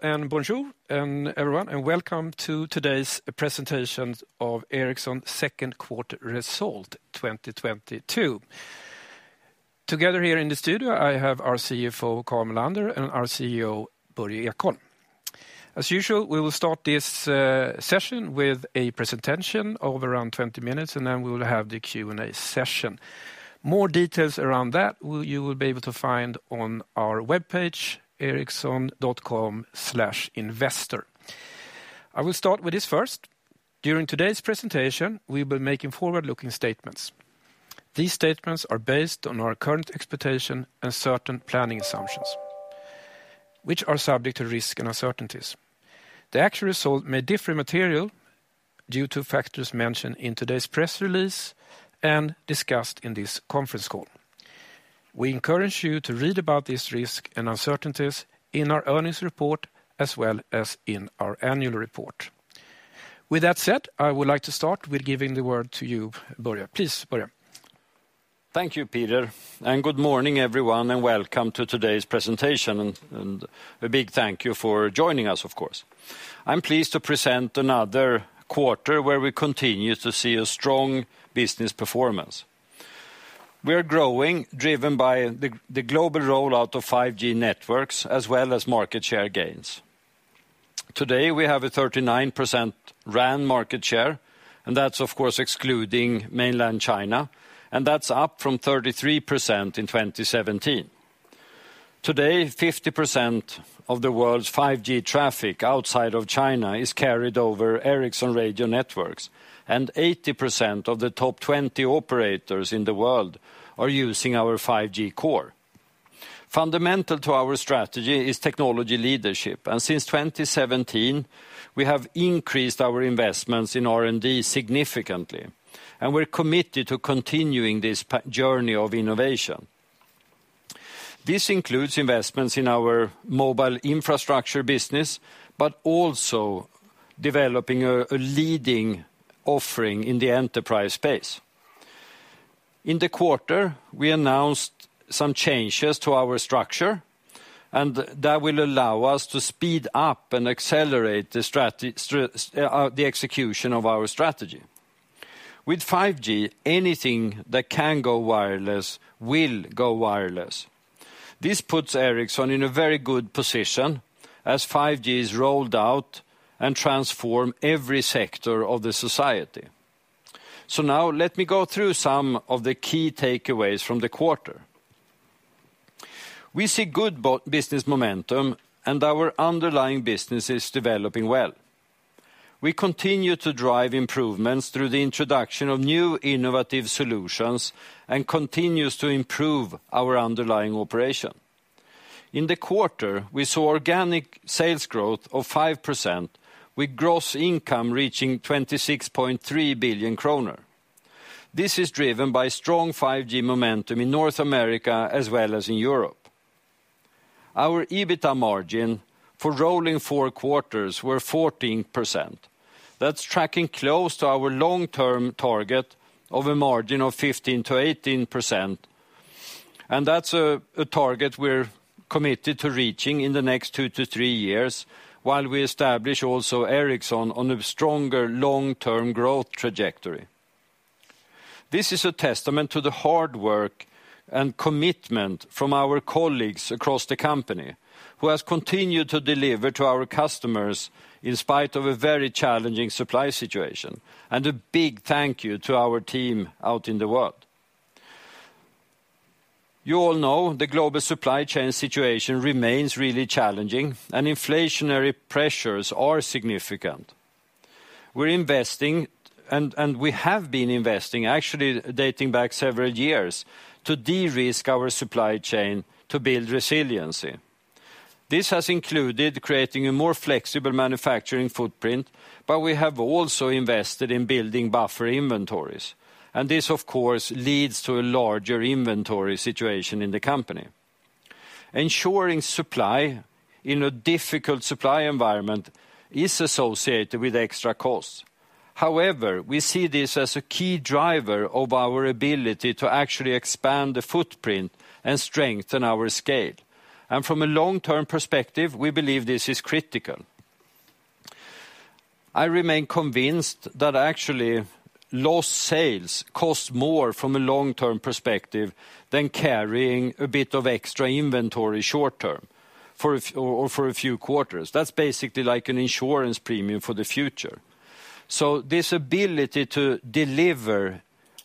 Bonjour to everyone, and welcome to today's presentations of Ericsson second quarter results 2022. Together here in the studio, I have our CFO, Carl Mellander, and our CEO, Börje Ekholm. As usual, we will start this session with a presentation of around 20 minutes, and then we will have the Q&A session. More details around that you will be able to find on our webpage, ericsson.com/investors. I will start with this first. During today's presentation, we'll be making forward-looking statements. These statements are based on our current expectations and certain planning assumptions, which are subject to risk and uncertainties. The actual results may differ materially due to factors mentioned in today's press release and discussed in this conference call. We encourage you to read about these risks and uncertainties in our earnings report as well as in our annual report. With that said, I would like to start with giving the word to you, Börje. Please Börje. Thank you, Peter. Good morning, everyone, and welcome to today's presentation. A big thank you for joining us, of course. I'm pleased to present another quarter where we continue to see a strong business performance. We are growing, driven by the global rollout of 5G networks as well as market share gains. Today, we have a 39% RAN market share, and that's, of course, excluding Mainland China, and that's up from 33% in 2017. Today, 50% of the world's 5G traffic outside of China is carried over Ericsson radio networks, and 80% of the top 20 operators in the world are using our 5G Core. Fundamental to our strategy is technology leadership. Since 2017, we have increased our investments in R&D significantly, and we're committed to continuing this journey of innovation. This includes investments in our mobile infrastructure business, but also developing a leading offering in the enterprise space. In the quarter, we announced some changes to our structure, and that will allow us to speed up and accelerate the execution of our strategy. With 5G, anything that can go wireless, will go wireless. This puts Ericsson in a very good position as 5G is rolled out and transform every sector of the society. Now let me go through some of the key takeaways from the quarter. We see good business momentum, and our underlying business is developing well. We continue to drive improvements through the introduction of new innovative solutions and continues to improve our underlying operation. In the quarter, we saw organic sales growth of 5%, with gross income reaching 26.3 billion kronor. This is driven by strong 5G momentum in North America as well as in Europe. Our EBITDA margin for rolling four quarters were 14%. That's tracking close to our long-term target of a margin of 15%-18%, and that's a target we're committed to reaching in the next two to three years while we establish also Ericsson on a stronger long-term growth trajectory. This is a testament to the hard work and commitment from our colleagues across the company, who has continued to deliver to our customers in spite of a very challenging supply situation. A big thank you to our team out in the world. You all know the global supply chain situation remains really challenging, and inflationary pressures are significant. We're investing and we have been investing, actually dating back several years, to de-risk our supply chain to build resiliency. This has included creating a more flexible manufacturing footprint, but we have also invested in building buffer inventories. This, of course, leads to a larger inventory situation in the company. Ensuring supply in a difficult supply environment is associated with extra costs. However, we see this as a key driver of our ability to actually expand the footprint and strengthen our scale. From a long-term perspective, we believe this is critical. I remain convinced that actually lost sales cost more from a long-term perspective than carrying a bit of extra inventory short term for a few quarters. That's basically like an insurance premium for the future. This ability to deliver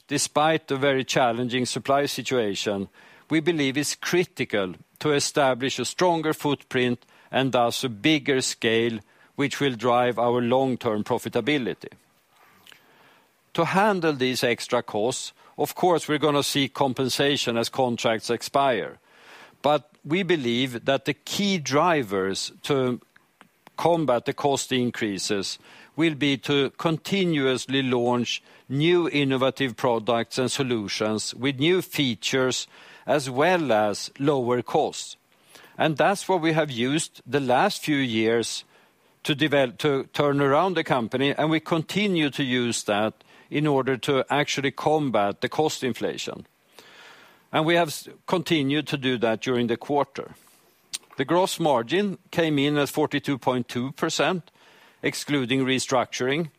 despite the very challenging supply situation, we believe is critical to establish a stronger footprint and thus a bigger scale, which will drive our long-term profitability. To handle these extra costs, of course, we're gonna seek compensation as contracts expire. We believe that the key drivers to combat the cost increases will be to continuously launch new innovative products and solutions with new features as well as lower costs. That's what we have used the last few years to turn around the company, and we continue to use that in order to actually combat the cost inflation. We have continued to do that during the quarter. The gross margin came in at 42.2%, excluding restructuring,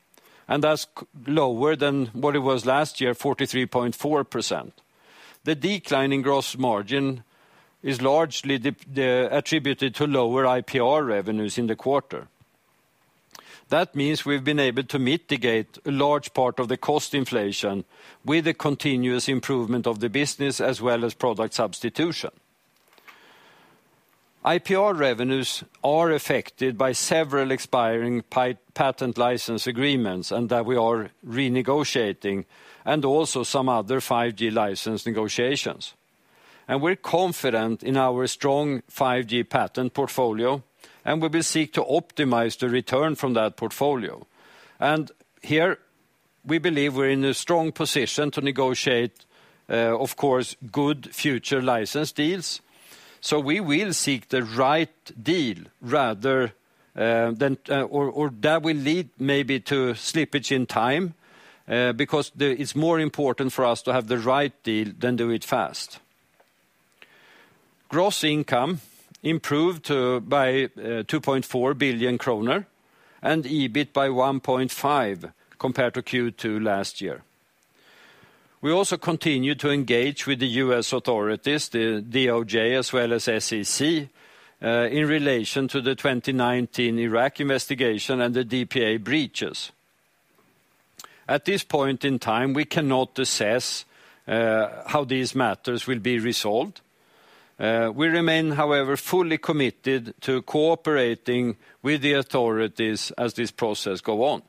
and that's lower than what it was last year, 43.4%. The decline in gross margin is largely attributed to lower IPR revenues in the quarter. That means we've been able to mitigate a large part of the cost inflation with the continuous improvement of the business as well as product substitution. IPR revenues are affected by several expiring patent license agreements, and that we are renegotiating, and also some other 5G license negotiations. We're confident in our strong 5G patent portfolio, and we will seek to optimize the return from that portfolio. Here, we believe we're in a strong position to negotiate, of course, good future license deals. We will seek the right deal rather than that will lead maybe to slippage in time, because it's more important for us to have the right deal than do it fast. Gross income improved by 2.4 billion kronor and EBIT by 1.5 billion compared to Q2 last year. We continue to engage with the U.S authorities, the DOJ as well as SEC, in relation to the 2019 Iraq investigation and the DPA breaches. At this point in time, we cannot assess how these matters will be resolved. We remain, however, fully committed to cooperating with the authorities as this process go on.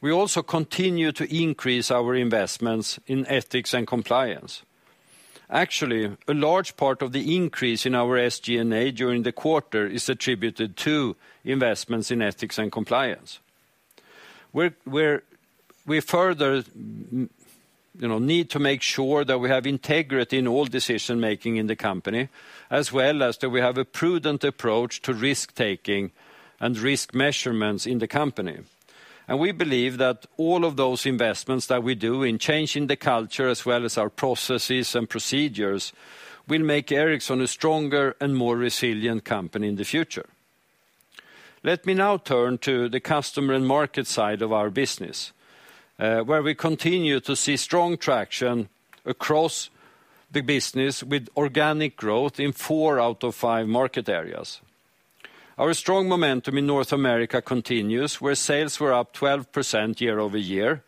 We also continue to increase our investments in ethics and compliance. Actually, a large part of the increase in our SG&A during the quarter is attributed to investments in ethics and compliance. We further need to, you know, make sure that we have integrity in all decision-making in the company, as well as that we have a prudent approach to risk-taking and risk measurements in the company. We believe that all of those investments that we do in changing the culture as well as our processes and procedures will make Ericsson a stronger and more resilient company in the future. Let me now turn to the customer and market side of our business, where we continue to see strong traction across the business with organic growth in four out of five market areas. Our strong momentum in North America continues, where sales were up 12% year-over-year,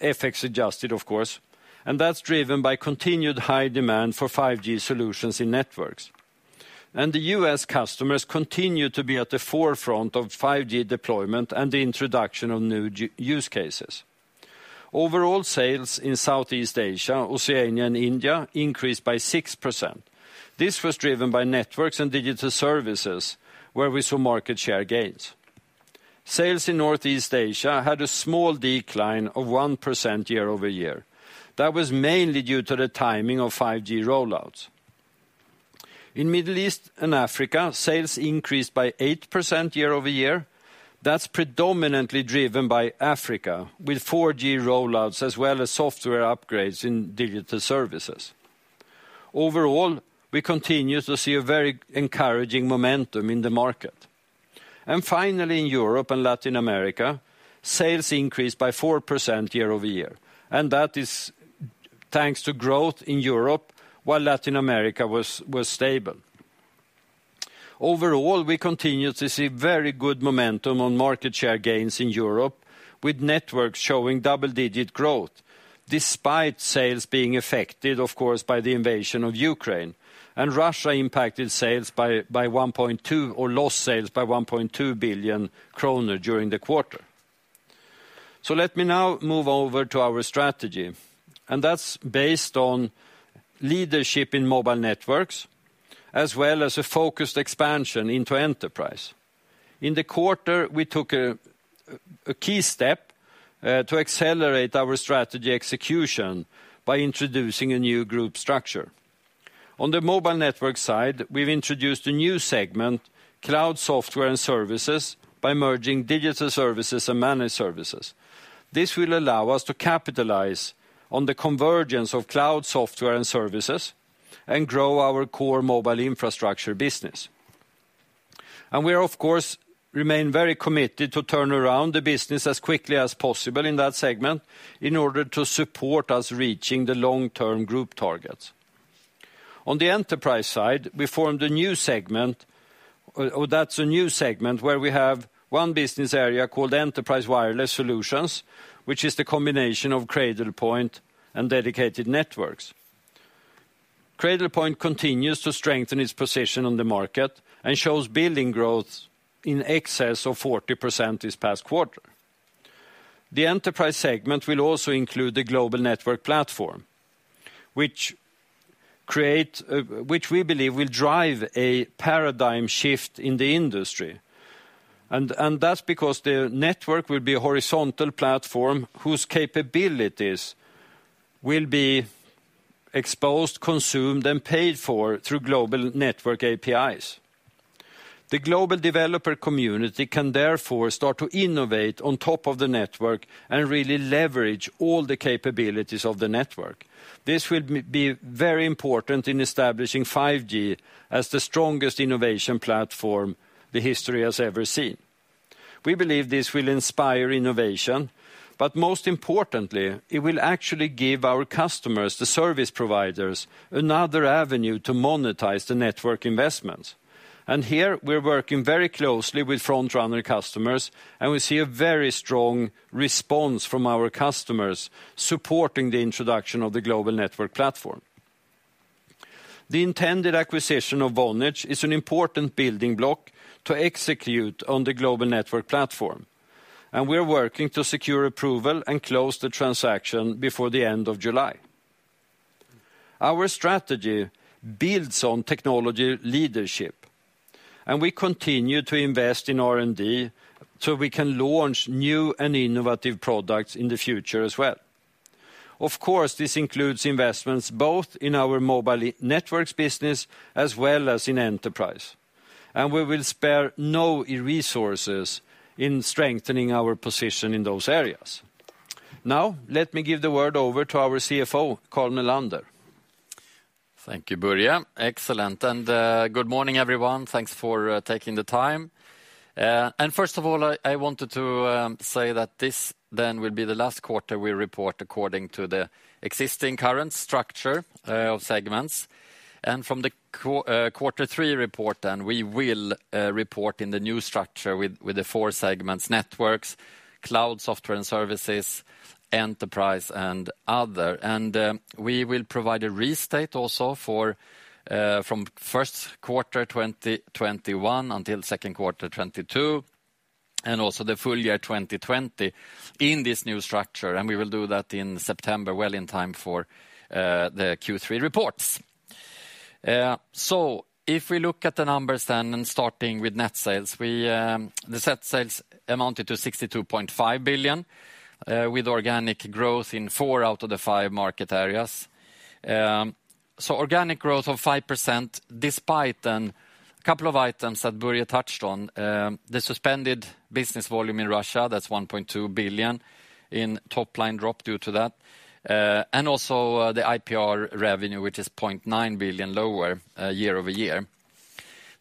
FX adjusted, of course, and that's driven by continued high demand for 5G solutions in Networks. The U.S customers continue to be at the forefront of 5G deployment and the introduction of new use cases. Overall sales in Southeast Asia, Oceania, and India increased by 6%. This was driven by Networks and Digital Services where we saw market share gains. Sales in Northeast Asia had a small decline of 1% year-over-year. That was mainly due to the timing of 5G rollouts. In Middle East and Africa, sales increased by 8% year-over-year. That's predominantly driven by Africa with 4G rollouts as well as software upgrades in Digital Services. Overall, we continue to see a very encouraging momentum in the market. Finally, in Europe and Latin America, sales increased by 4% year-over-year, and that is thanks to growth in Europe while Latin America was stable. Overall, we continue to see very good momentum on market share gains in Europe with Networks showing double-digit growth, despite sales being affected, of course, by the invasion of Ukraine, and Russia impacted sales by 1.2 or lost sales by 1.2 billion kronor during the quarter. Let me now move over to our strategy, and that's based on leadership in mobile networks as well as a focused expansion into enterprise. In the quarter, we took a key step to accelerate our strategy execution by introducing a new group structure. On the mobile network side, we've introduced a new segment, Cloud Software and Services, by merging Digital Services and Managed Services. This will allow us to capitalize on the convergence of cloud software and services and grow our core mobile infrastructure business. We, of course, remain very committed to turn around the business as quickly as possible in that segment in order to support us reaching the long-term group targets. On the enterprise side, we formed a new segment, or that's a new segment where we have one business area called Enterprise Wireless Solutions, which is the combination of Cradlepoint and Dedicated Networks. Cradlepoint continues to strengthen its position on the market and shows billing growth in excess of 40% this past quarter. The enterprise segment will also include the Global Network Platform, which we believe will drive a paradigm shift in the industry. That's because the network will be a horizontal platform whose capabilities will be exposed, consumed, and paid for through global network APIs. The global developer community can therefore start to innovate on top of the network and really leverage all the capabilities of the network. This will be very important in establishing 5G as the strongest innovation platform the history has ever seen. We believe this will inspire innovation, but most importantly, it will actually give our customers, the service providers, another avenue to monetize the network investments. Here, we're working very closely with front-runner customers, and we see a very strong response from our customers supporting the introduction of the Global Network Platform. The intended acquisition of Vonage is an important building block to execute on the Global Network Platform, and we're working to secure approval and close the transaction before the end of July. Our strategy builds on technology leadership, and we continue to invest in R&D so we can launch new and innovative products in the future as well. Of course, this includes investments both in our mobile networks business as well as in enterprise, and we will spare no resources in strengthening our position in those areas. Now, let me give the word over to our CFO, Carl Mellander. Thank you, Börje. Excellent. Good morning, everyone. Thanks for taking the time. First of all, I wanted to say that this will be the last quarter we report according to the existing current structure of segments. From the quarter three report then, we will report in the new structure with the four segments: Networks, Cloud Software and Services, Enterprise, and Other. We will provide a restate also for from first quarter 2021 until second quarter 2022, and also the full year 2020 in this new structure, and we will do that in September, well in time for the Q3 reports. If we look at the numbers then and starting with net sales, we, the net sales amounted to 62.5 billion, with organic growth in four out of the five market areas. Organic growth of 5% despite then a couple of items that Börje touched on. The suspended business volume in Russia, that's 1.2 billion in top-line drop due to that. Also, the IPR revenue, which is 0.9 billion lower, year over year.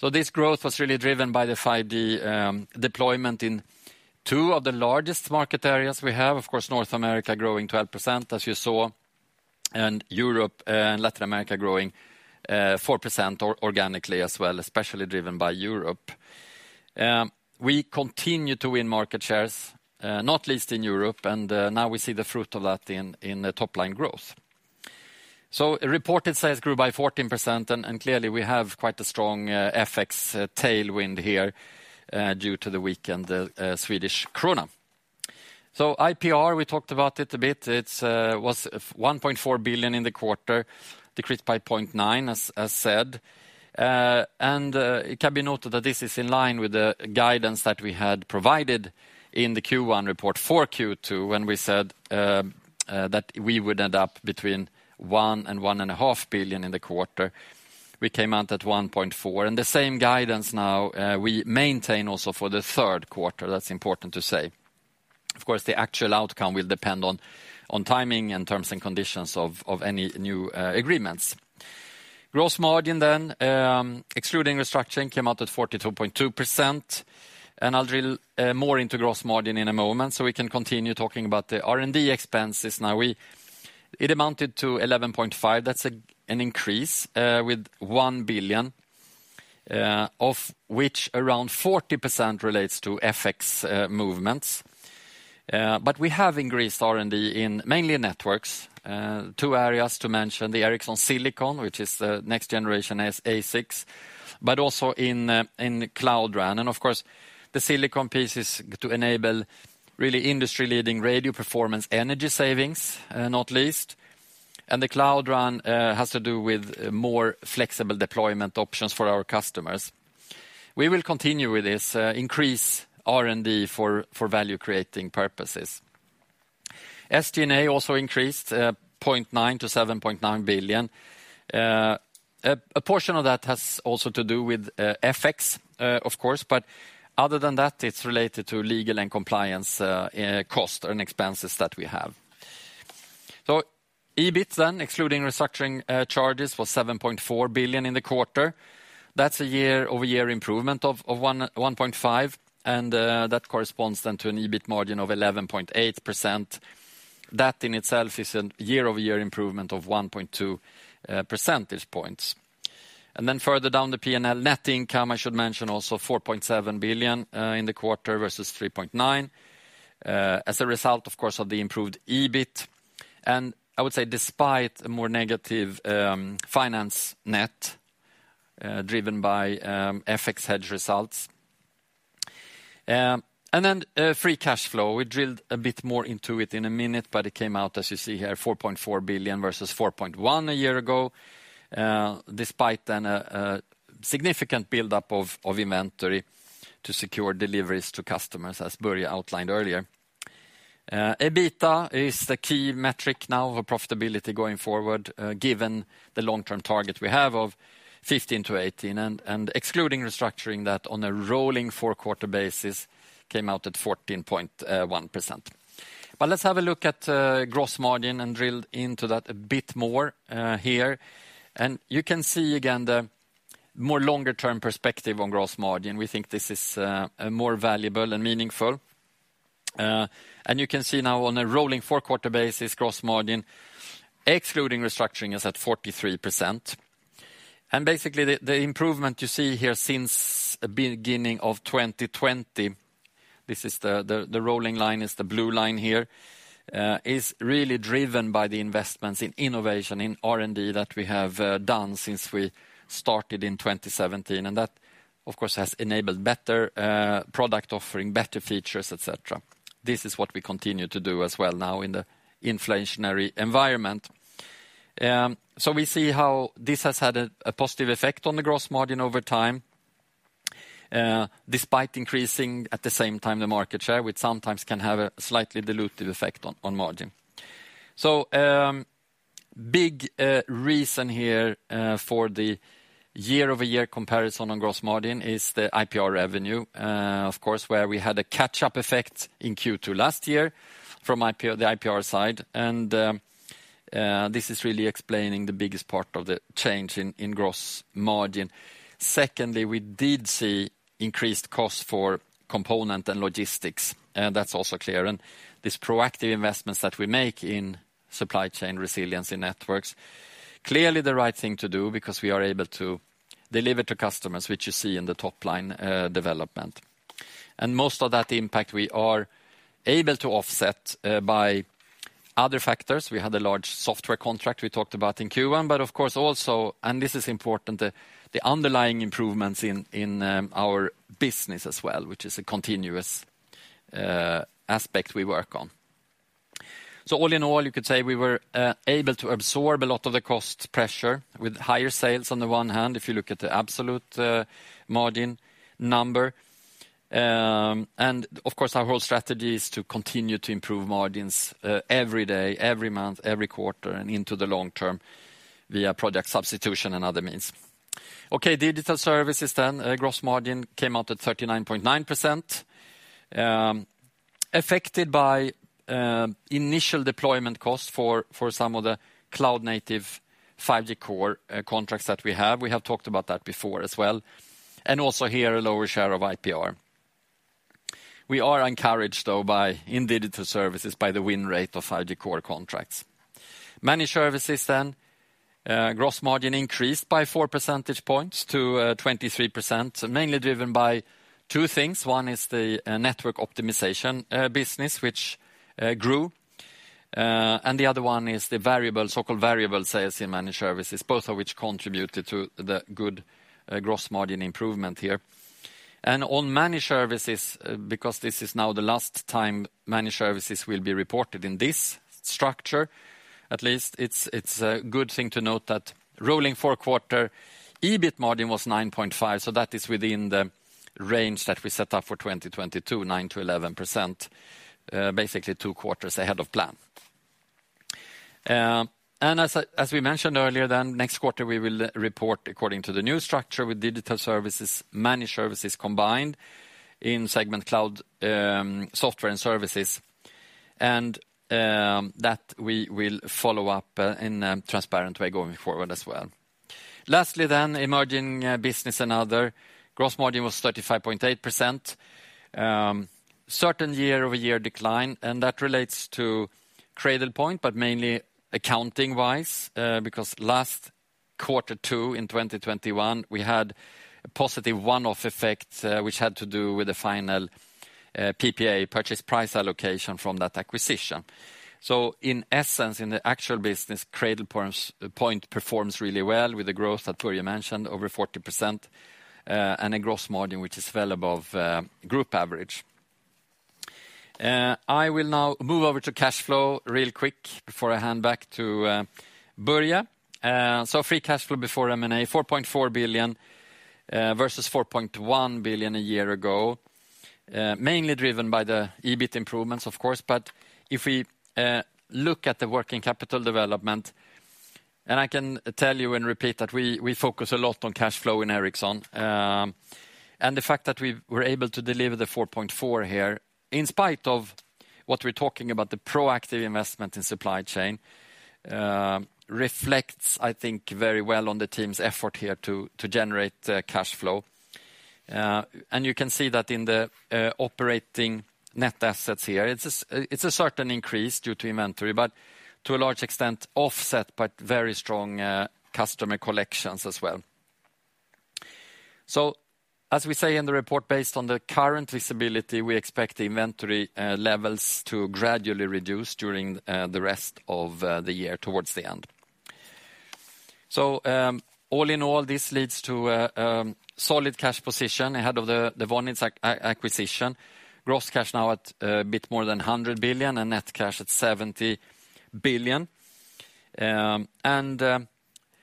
This growth was really driven by the 5G deployment in two of the largest market areas we have. Of course, North America growing 12%, as you saw, and Europe and Latin America growing 4% organically as well, especially driven by Europe. We continue to win market shares, not least in Europe, and now we see the fruit of that in the top-line growth. Reported sales grew by 14%, and clearly, we have quite a strong FX tailwind here due to the weakened Swedish krona. IPR, we talked about it a bit. It was 1.4 billion in the quarter, decreased by 0.9 billion, as said. It can be noted that this is in line with the guidance that we had provided in the Q1 report for Q2 when we said that we would end up between 1 billion and 1.5 billion in the quarter. We came out at 1.4. The same guidance now, we maintain also for the third quarter. That's important to say. Of course, the actual outcome will depend on timing and terms and conditions of any new agreements. Gross margin then, excluding restructuring, came out at 42.2%, and I'll drill more into gross margin in a moment so we can continue talking about the R&D expenses. It amounted to 11.5 billion. That's an increase with 1 billion, of which around 40% relates to FX movements. But we have increased R&D in mainly Networks. Two areas to mention, the Ericsson Silicon, which is the next generation ASICs, but also in Cloud RAN. Of course, the silicon piece is to enable really industry-leading radio performance, energy savings, not least. The Cloud RAN has to do with more flexible deployment options for our customers. We will continue with this increase R&D for value-creating purposes. SG&A also increased 0.9 billion to 7.9 billion. A portion of that has also to do with FX, of course, but other than that, it's related to legal and compliance costs and expenses that we have. EBIT then, excluding restructuring charges, was 7.4 billion in the quarter. That's a year-over-year improvement of 1.5, and that corresponds then to an EBIT margin of 11.8%. That in itself is a year-over-year improvement of 1.2 percentage points. Further down the PNL, net income, I should mention also, 4.7 billion in the quarter versus 3.9 billion, as a result, of course, of the improved EBIT, and I would say despite a more negative finance net driven by FX hedge results. Free cash flow. We drilled a bit more into it in a minute, but it came out, as you see here, 4.4 billion versus 4.1 billion a year ago, despite a significant buildup of inventory to secure deliveries to customers, as Börje outlined earlier. EBITDA is the key metric now for profitability going forward, given the long-term target we have of 15%-18% and excluding restructuring that on a rolling four-quarter basis came out at 14.1%. Let's have a look at gross margin and drill into that a bit more here. You can see again the more longer term perspective on gross margin. We think this is a more valuable and meaningful. You can see now on a rolling four-quarter basis gross margin excluding restructuring is at 43%. Basically the improvement you see here since the beginning of 2020, this is the rolling line, the blue line here, is really driven by the investments in innovation, in R&D that we have done since we started in 2017. That, of course, has enabled better product offering, better features, et cetera. This is what we continue to do as well now in the inflationary environment. We see how this has had a positive effect on the gross margin over time, despite increasing at the same time the market share, which sometimes can have a slightly dilutive effect on margin. Big reason here for the year-over-year comparison on gross margin is the IPR revenue, of course, where we had a catch-up effect in Q2 last year from the IPR side. This is really explaining the biggest part of the change in gross margin. Secondly, we did see increased costs for component and logistics, and that's also clear. This proactive investments that we make in supply chain resilience in networks, clearly the right thing to do because we are able to deliver to customers, which you see in the top line development. Most of that impact we are able to offset by other factors. We had a large software contract we talked about in Q1, but of course also, and this is important, the underlying improvements in our business as well, which is a continuous aspect we work on. All in all, you could say we were able to absorb a lot of the cost pressure with higher sales on the one hand, if you look at the absolute margin number. Of course our whole strategy is to continue to improve margins every day, every month, every quarter, and into the long term via project substitution and other means. Okay, Digital Services gross margin came out at 39.9%, affected by initial deployment costs for some of the cloud native 5G Core contracts that we have. We have talked about that before as well. Also here, a lower share of IPR. We are encouraged though in Digital Services by the win rate of 5G Core contracts. Managed Services gross margin increased by four percentage points to 23%, mainly driven by two things. One is the network optimization business, which grew. The other one is the so-called variable sales in Managed Services, both of which contributed to the good gross margin improvement here. On Managed Services, because this is now the last time Managed Services will be reported in this structure, at least it's a good thing to note that rolling four-quarter EBIT margin was 9.5. That is within the range that we set up for 2022, 9%-11%, basically two quarters ahead of plan. As we mentioned earlier, next quarter we will report according to the new structure with Digital Services, Managed Services combined in segment Cloud Software and Services. That we will follow up in a transparent way going forward as well. Emerging business and other. Gross margin was 35.8%, certain year-over-year decline, and that relates to Cradlepoint, but mainly accounting-wise, because last Q2 in 2021, we had a positive one-off effect, which had to do with the final, PPA purchase price allocation from that acquisition. In essence, in the actual business, Cradlepoint performs really well with the growth that Börje mentioned, over 40%, and a gross margin which is well above, group average. I will now move over to cash flow real quick before I hand back to, Börje. Free cash flow before M&A, 4.4 billion, versus 4.1 billion a year ago, mainly driven by the EBIT improvements, of course. If we look at the working capital development, I can tell you and repeat that we focus a lot on cash flow in Ericsson, and the fact that we were able to deliver the 4.4 billion here, in spite of what we're talking about, the proactive investment in supply chain, reflects, I think, very well on the team's effort here to generate the cash flow. You can see that in the operating net assets here. It's a certain increase due to inventory, but to a large extent offset by very strong customer collections as well. As we say in the report, based on the current visibility, we expect inventory levels to gradually reduce during the rest of the year towards the end. All in all, this leads to a solid cash position ahead of the Vonage acquisition. Gross cash now at a bit more than 100 billion and net cash at 70 billion.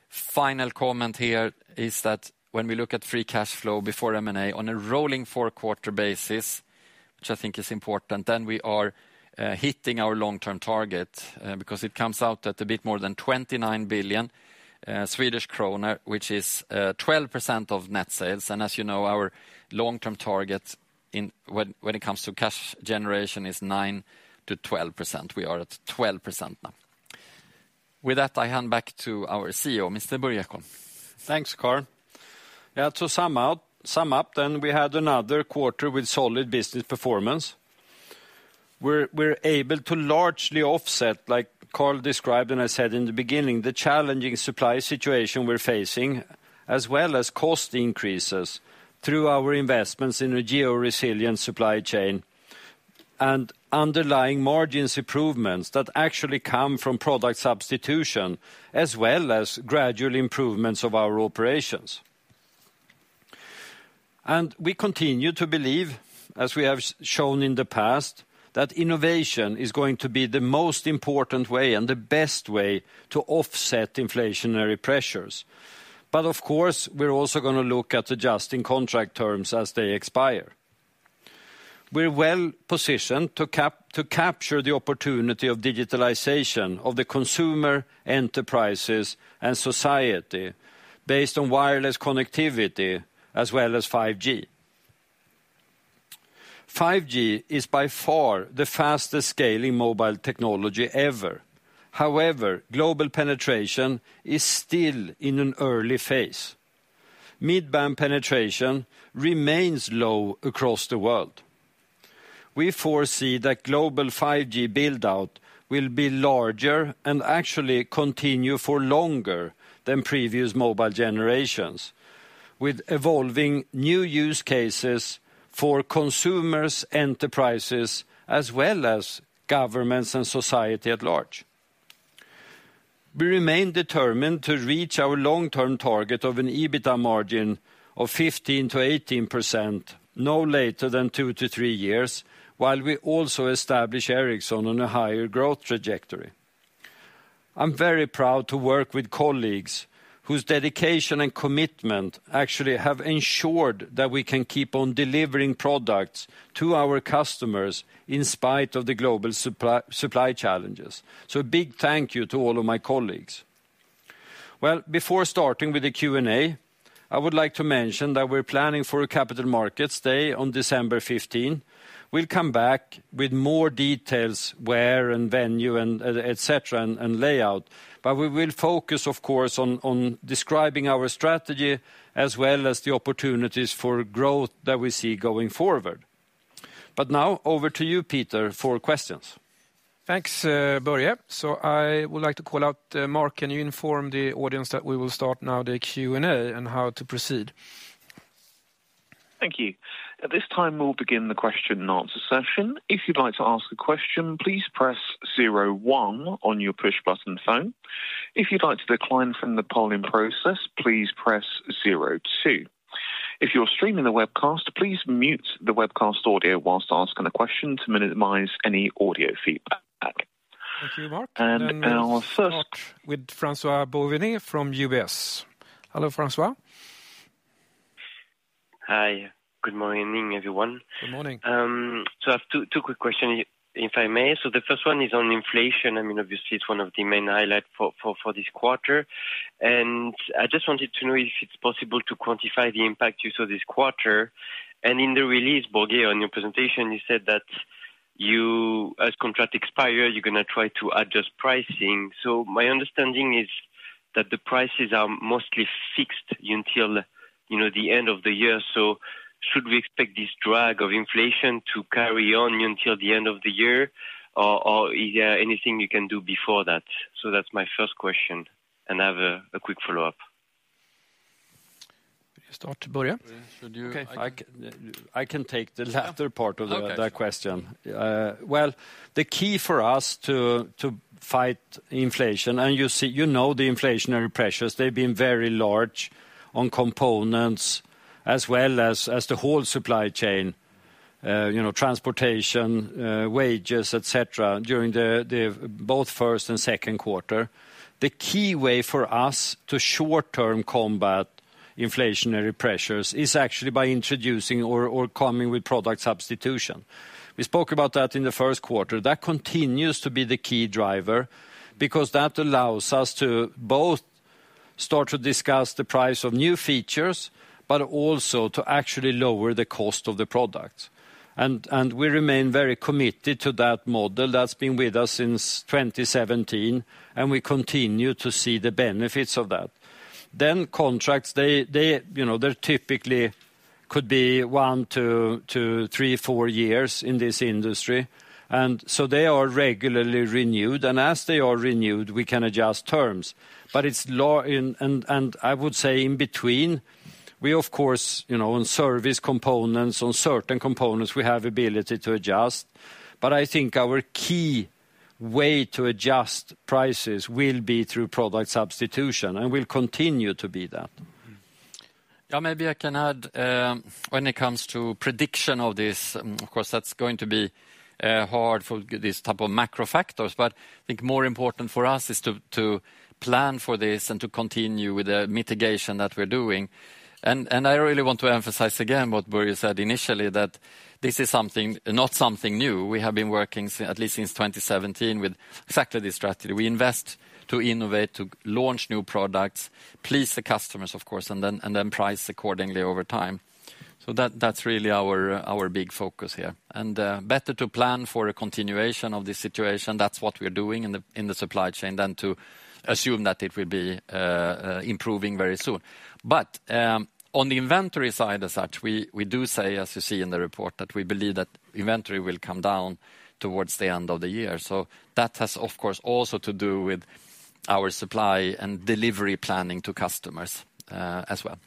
Final comment here is that when we look at free cash flow before M&A on a rolling four quarter basis, which I think is important, then we are hitting our long-term target, because it comes out at a bit more than 29 billion Swedish kronor, which is 12% of net sales. As you know, our long-term target when it comes to cash generation is 9%-12%. We are at 12% now. With that, I hand back to our CEO, Mr. Börje Ekholm. Thanks, Carl. Yeah, to sum up, then we had another quarter with solid business performance. We're able to largely offset, like Carl described, and I said in the beginning, the challenging supply situation we're facing, as well as cost increases through our investments in a geo-resilient supply chain and underlying margins improvements that actually come from product substitution as well as gradual improvements of our operations. We continue to believe, as we have shown in the past, that innovation is going to be the most important way and the best way to offset inflationary pressures. Of course, we're also gonna look at adjusting contract terms as they expire. We're well-positioned to capture the opportunity of digitalization of the consumer enterprises and society based on wireless connectivity as well as 5G. 5G is by far the fastest scaling mobile technology ever. However, global penetration is still in an early phase. Mid-band penetration remains low across the world. We foresee that global 5G build-out will be larger and actually continue for longer than previous mobile generations, with evolving new use cases for consumers, enterprises, as well as governments and society at large. We remain determined to reach our long-term target of an EBITDA margin of 15%-18% no later than two to three years, while we also establish Ericsson on a higher growth trajectory. I'm very proud to work with colleagues whose dedication and commitment actually have ensured that we can keep on delivering products to our customers in spite of the global supply challenges. Big thank you to all of my colleagues. Well, before starting with the Q&A, I would like to mention that we're planning for a Capital Markets Day on December 15. We'll come back with more details, where and venue and et cetera, and layout. We will focus, of course, on describing our strategy as well as the opportunities for growth that we see going forward. Now over to you Peter, for questions. Thanks, Börje. I would like to call out, Mark. Can you inform the audience that we will start now the Q&A and how to proceed? Thank you. At this time, we'll begin the question and answer session. If you'd like to ask a question, please press zero one on your push button phone. If you'd like to decline from the polling process, please press zero two. If you're streaming the webcast, please mute the webcast audio while asking a question to minimize any audio feedback. Thank you, Mark. And our first- Talk with François-Xavier Bouvignies from UBS. Hello, François?. Hi. Good morning, everyone. Good morning. I have two quick questions if I may. The first one is on inflation. I mean, obviously, it's one of the main highlight for this quarter. I just wanted to know if it's possible to quantify the impact you saw this quarter. In the release, Börje, on your presentation, you said that you, as contract expires, you're gonna try to adjust pricing. My understanding is that the prices are mostly fixed until, you know, the end of the year. Should we expect this drag of inflation to carry on until the end of the year or is there anything you can do before that? That's my first question. I have a quick follow-up. Start, Börje. Okay. I can take the latter part of that question. Well, the key for us to fight inflation, and you know the inflationary pressures, they've been very large on components as well as the whole supply chain, you know, transportation, wages, et cetera, during the both first and second quarter. The key way for us to short-term combat inflationary pressures is actually by introducing or coming with product substitution. We spoke about that in the first quarter. That continues to be the key driver because that allows us to both start to discuss the price of new features, but also to actually lower the cost of the product. We remain very committed to that model. That's been with us since 2017, and we continue to see the benefits of that. Contracts, they you know, they're typically could be one to three, four years in this industry. They are regularly renewed. As they are renewed, we can adjust terms. It's, I would say, in between, we of course you know on service components, on certain components, we have ability to adjust. I think our key way to adjust prices will be through product substitution and will continue to be that. Yeah, maybe I can add when it comes to prediction of this, of course, that's going to be hard for these type of macro factors. I think more important for us is to plan for this and to continue with the mitigation that we're doing. I really want to emphasize again what Börje said initially, that this is not something new. We have been working at least since 2017 with exactly this strategy. We invest to innovate, to launch new products, please the customers, of course, and then price accordingly over time. That's really our big focus here. Better to plan for a continuation of this situation. That's what we're doing in the supply chain than to assume that it will be improving very soon. On the inventory side as such, we do say, as you see in the report, that we believe that inventory will come down towards the end of the year. That has, of course, also to do with our supply and delivery planning to customers, as well.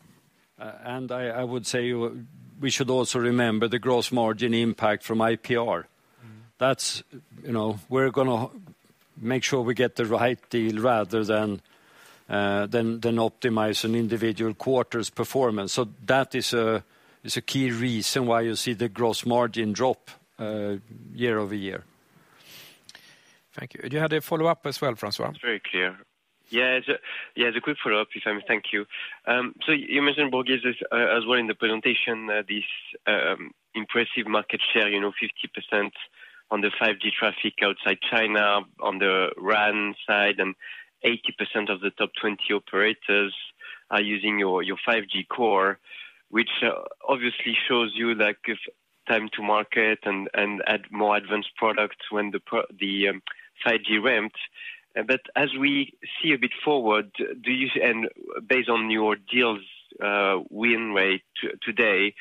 I would say we should also remember the gross margin impact from IPR. That's, you know, we're gonna make sure we get the right deal rather than optimize an individual quarter's performance. That is a key reason why you see the gross margin drop year-over-year. Thank you. Do you have a follow-up as well François? It's very clear. Yes. Yeah, the quick follow-up if I may. Thank you. So you mentioned Börje as well in the presentation, this impressive market share, you know, 50% on the 5G traffic outside China on the RAN side, and 80% of the top 20 operators are using your 5G Core, which obviously shows you that give time to market and add more advanced products when the 5G ramps. As we see a bit forward, and based on your deals, win rate today,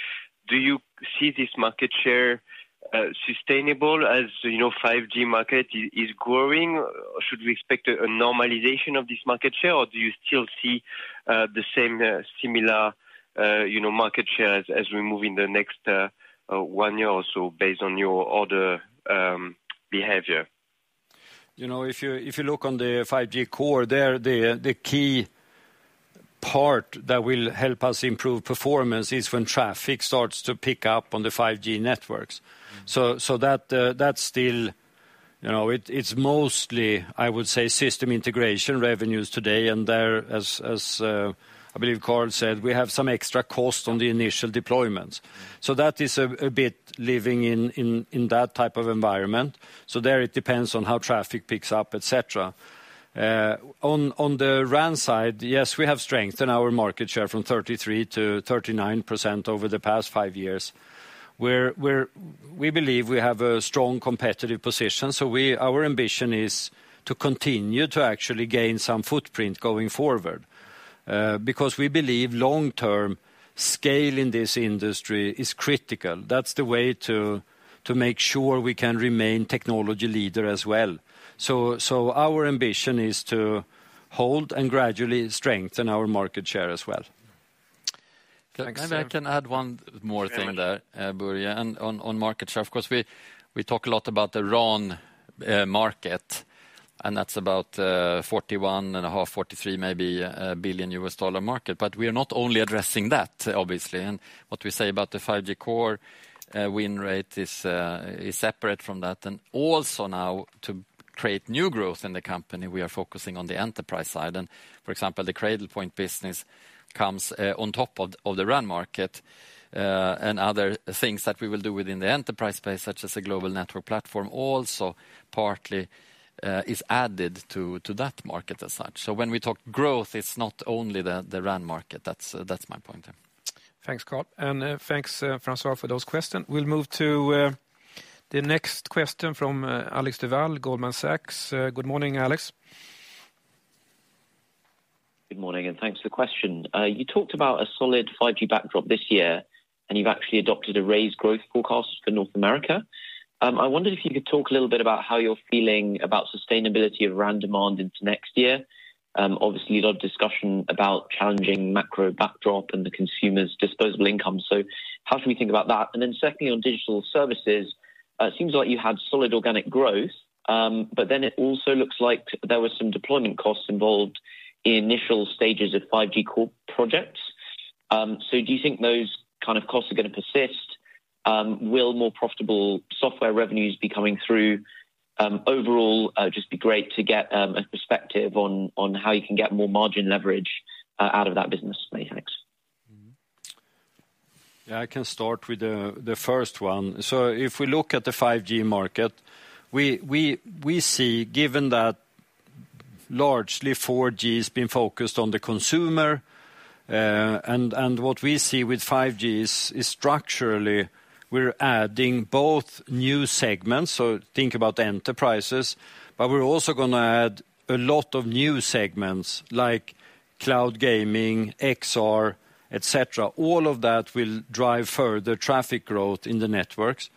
do you see this market share sustainable as, you know, 5G market is growing? Should we expect a normalization of this market share, or do you still see the same, similar, you know, market share as we move in the next one year or so based on your order behavior? You know, if you look on the 5G Core there, the key part that will help us improve performance is when traffic starts to pick up on the 5G networks. So that's still, you know, it's mostly, I would say, system integration revenues today. There, as I believe Carl said, we have some extra cost on the initial deployments. That is a bit living in that type of environment. There it depends on how traffic picks up, et cetera. On the RAN side, yes, we have strengthened our market share from 33% to 39% over the past five years. We believe we have a strong competitive position, our ambition is to continue to actually gain some footprint going forward, because we believe long-term scale in this industry is critical. That's the way to make sure we can remain technology leader as well. Our ambition is to hold and gradually strengthen our market share as well. Thanks. Maybe I can add one more thing there, Börje. On market share, of course, we talk a lot about the RAN market, and that's about $41.5 billion-$43 billion market. We are not only addressing that, obviously. What we say about the 5G Core win rate is separate from that. Also now to create new growth in the company, we are focusing on the enterprise side. For example, the Cradlepoint business comes on top of the RAN market and other things that we will do within the enterprise space, such as a Global Network Platform, also partly is added to that market as such. When we talk growth, it's not only the RAN market. That's my point. Yeah. Thanks, Carl and thanks François for those questions. We'll move to the next question from Alexander Duval, Goldman Sachs. Good morning, Alex?. Good morning, and thanks for the question. You talked about a solid 5G backdrop this year, and you've actually adopted a raised growth forecast for North America. I wondered if you could talk a little bit about how you're feeling about sustainability of RAN demand into next year. Obviously, a lot of discussion about challenging macro backdrop and the consumer's disposable income. So how should we think about that? Secondly, on Digital Services, it seems like you had solid organic growth, but then it also looks like there were some deployment costs involved in initial stages of 5G Core projects. So do you think those kind of costs are gonna persist? Will more profitable software revenues be coming through? Overall, just be great to get a perspective on how you can get more margin leverage out of that business maybe. Thanks. Yeah, I can start with the first one. If we look at the 5G market, we see, given that largely 4G has been focused on the consumer, and what we see with 5G is structurally we're adding both new segments. Think about enterprises, but we're also gonna add a lot of new segments like cloud gaming, XR, et cetera. All of that will drive further traffic growth in the networks.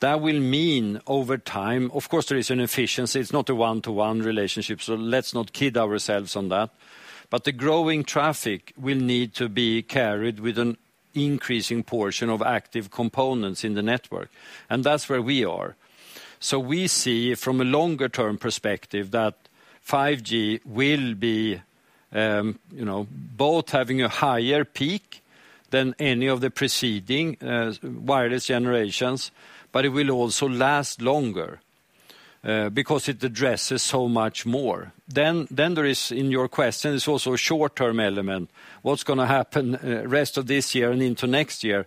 That will mean over time, of course, there is an efficiency. It's not a one-to-one relationship, so let's not kid ourselves on that. The growing traffic will need to be carried with an increasing portion of active components in the network, and that's where we are. We see from a longer-term perspective that 5G will be, you know, both having a higher peak than any of the preceding wireless generations, but it will also last longer because it addresses so much more. There is in your question, there's also a short-term element. What's gonna happen rest of this year and into next year?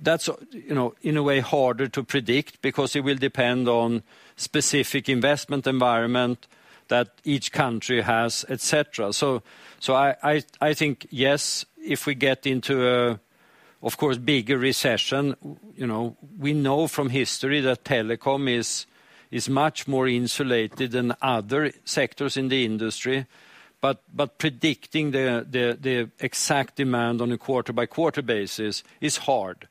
That's you know in a way harder to predict because it will depend on specific investment environment that each country has, et cetera. I think, yes, if we get into a bigger recession, of course, you know, we know from history that telecom is much more insulated than other sectors in the industry. Predicting the exact demand on a quarter-by-quarter basis is hard.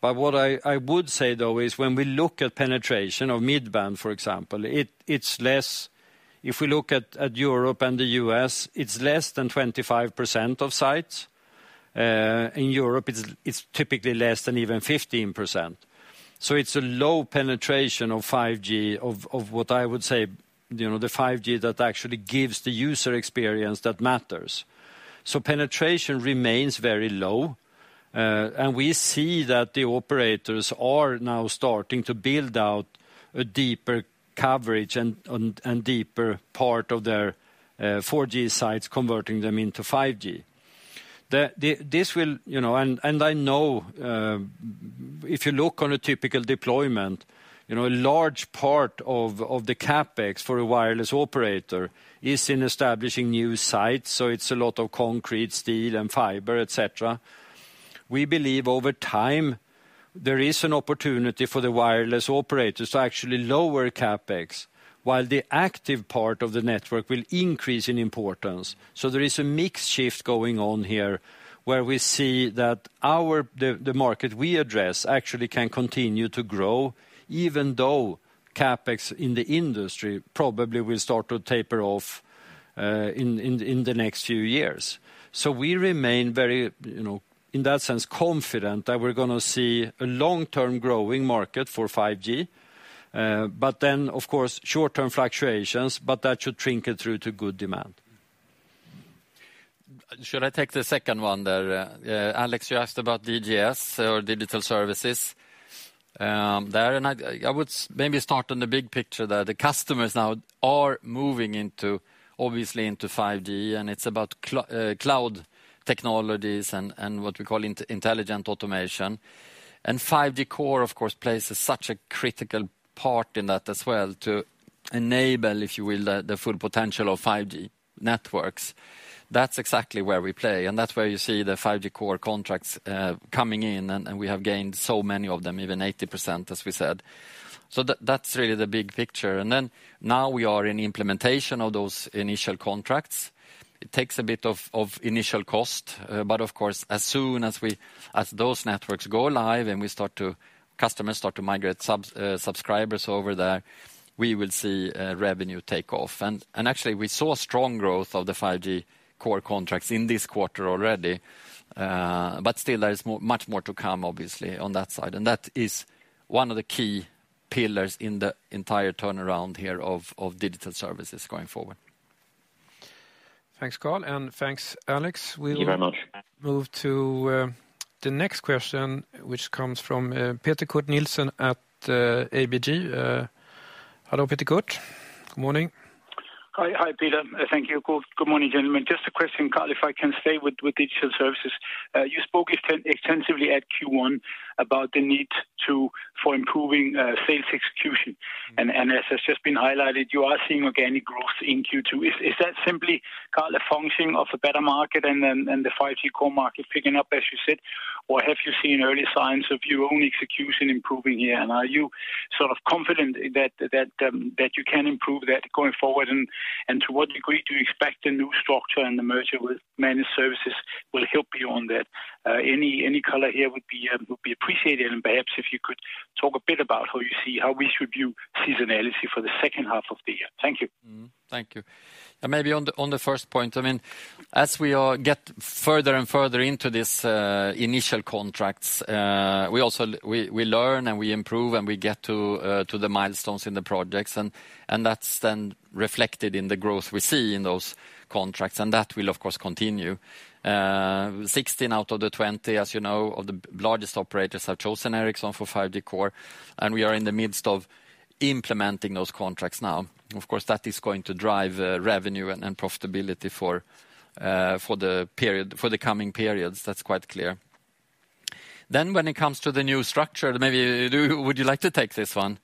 I would say though is when we look at penetration of mid-band, for example, it's less. If we look at Europe and the U.S, it's less than 25% of sites. In Europe it's typically less than even 15%. It's a low penetration of 5G of what I would say, you know, the 5G that actually gives the user experience that matters. Penetration remains very low. We see that the operators are now starting to build out a deeper coverage and deeper part of their 4G sites converting them into 5G. This will, you know I know if you look on a typical deployment, you know, a large part of the CapEx for a wireless operator is in establishing new sites, so it's a lot of concrete, steel and fiber, et cetera. We believe over time there is an opportunity for the wireless operators to actually lower CapEx while the active part of the network will increase in importance. There is a mixed shift going on here, where we see that our, the market we address actually can continue to grow, even though CapEx in the industry probably will start to taper off in the next few years. We remain very, you know, in that sense, confident that we're gonna see a long-term growing market for 5G. Of course, short-term fluctuations, but that should shrink it through to good demand. Should I take the second one there? Alex, you asked about DGS or Digital Services, there. I would maybe start on the big picture there. The customers now are moving into, obviously into 5G, and it's about cloud technologies and what we call intelligent automation. 5G Core, of course, plays such a critical part in that as well to enable, if you will, the full potential of 5G networks. That's exactly where we play, and that's where you see the 5G Core contracts coming in and we have gained so many of them, even 80%, as we said. That's really the big picture. Then now we are in implementation of those initial contracts. It takes a bit of initial cost. Of course, as soon as those networks go live and customers start to migrate subscribers over there, we will see revenue take off. Actually, we saw strong growth of the 5G Core contracts in this quarter already. Still there is much more to come, obviously, on that side. That is one of the key pillars in the entire turnaround here of Digital Services going forward. Thanks Carl and thanks Alex. Thank you very much. We will move to the next question, which comes from Peter Kurt Nielsen at ABG. Hello, Peter Kurt, good morning?. Hi. Hi, Peter. Thank you. Good morning, gentlemen. Just a question, Carl, if I can stay with Digital Services. You spoke extensively at Q1 about the need for improving sales execution. As has just been highlighted, you are seeing organic growth in Q2. Is that simply, Carl, a functioning of the better market and then the 5G Core market picking up, as you said, or have you seen early signs of your own execution improving here? Are you sort of confident that you can improve that going forward? To what degree do you expect the new structure and the merger with Managed Services will help you on that? Any color here would be appreciated. Perhaps if you could talk a bit about how you see, how we should view seasonality for the second half of the year. Thank you. Mm-hmm. Thank you. Maybe on the first point, I mean, as we all get further and further into this initial contracts, we also we learn and we improve and we get to the milestones in the projects, and that's then reflected in the growth we see in those contracts, and that will of course continue. Sixteen out of the 20, as you know, of the largest operators have chosen Ericsson for 5G Core, and we are in the midst of implementing those contracts now. Of course, that is going to drive revenue and profitability for the period, for the coming periods. That's quite clear. When it comes to the new structure, maybe, Börje, would you like to take this one?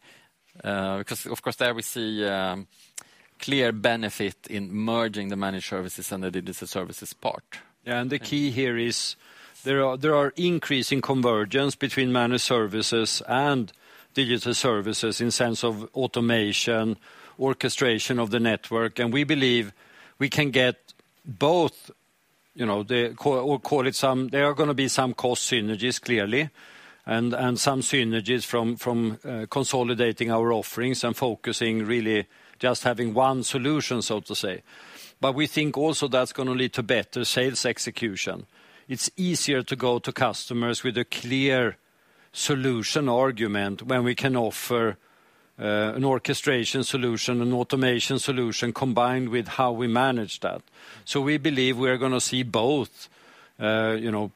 Because of course there we see clear benefit in merging the Managed Services and the Digital Services part. Yeah. The key here is there are increasing convergence between Managed Services and Digital Services in sense of automation, orchestration of the network, and we believe we can get both, you know, there are gonna be some cost synergies, clearly, and some synergies from consolidating our offerings and focusing really just having one solution, so to say. We think also that's gonna lead to better sales execution. It's easier to go to customers with a clear solution argument when we can offer an orchestration solution, an automation solution combined with how we manage that. We believe we are gonna see both, you know,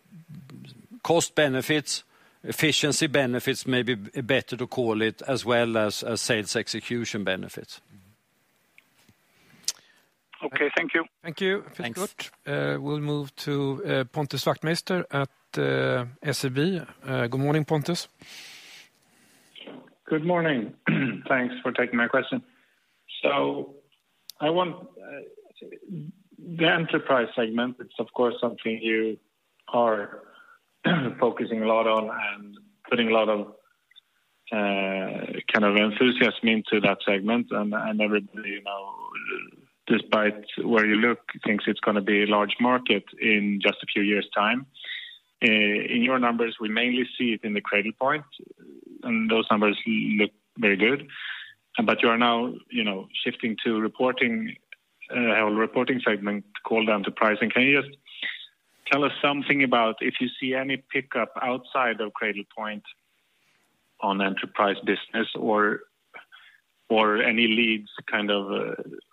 cost benefits, efficiency benefits, maybe better to call it, as well as sales execution benefits. Okay, thank you. Thank you. Thanks. We'll move to Pontus Wachtmeister at SEB. Good morning Pontus?. Good morning. Thanks for taking my question. I want the enterprise segment, it's of course something you are focusing a lot on and putting a lot of kind of enthusiasm into that segment. Everybody, you know, despite where you look, thinks it's gonna be a large market in just a few years' time. In your numbers, we mainly see it in the Cradlepoint, and those numbers look very good. You are now, you know, shifting to reporting a whole reporting segment called enterprise. Can you just tell us something about if you see any pickup outside of Cradlepoint on enterprise business or any leads.